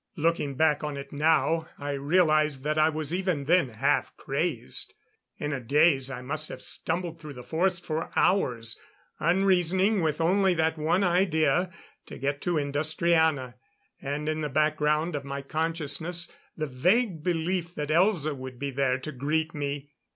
Looking back on it now I realize that I was even then half crazed. In a daze I must have stumbled through the forest for hours. Unreasoning, with only that one idea to get to Industriana; and in the background of my consciousness the vague belief that Elza would be there to greet me.